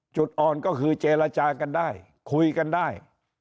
จุดอ่อนก็คือเจรจากันได้คุยกันได้